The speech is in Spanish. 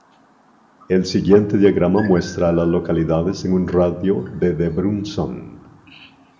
El siguiente diagrama muestra a las localidades en un radio de de Brunson.